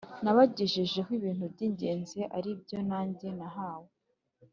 Nabagejejeho ibintu by ingenzi ari byo nanjye nahawe